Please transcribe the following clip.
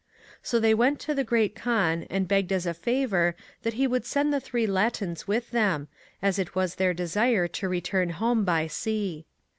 So they went to the Great Kaan, and beo ped as a favour that he would send the three Latins with them, as it was their desire to return home by sea.